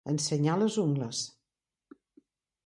Ensenyar les ungles.